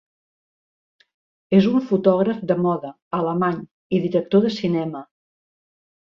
És un fotògraf de moda alemany i director de cinema.